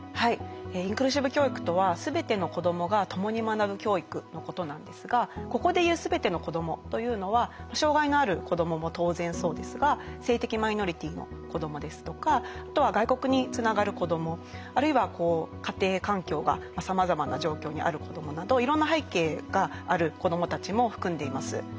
インクルーシブ教育とは全ての子どもが共に学ぶ教育のことなんですがここで言う全ての子どもというのは障害のある子どもも当然そうですが性的マイノリティーの子どもですとかあとは外国につながる子どもあるいは家庭環境がさまざまな状況にある子どもなどいろんな背景がある子どもたちも含んでいます。